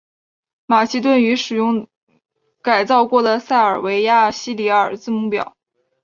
马其顿语使用改造过的塞尔维亚西里尔字母表。